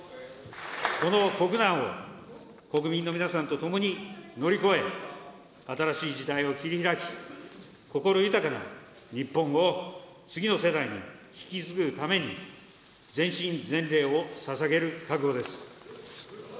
この国難を国民の皆さんと共に乗り越え、新しい時代を切り開き、心豊かな日本を次の世代に引き継ぐために、全身全霊をささげる覚悟です。